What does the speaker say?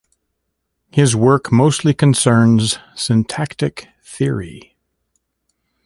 His work mostly concerns syntactic theory.